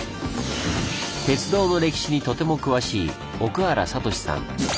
鉄道の歴史にとても詳しい奥原哲志さん。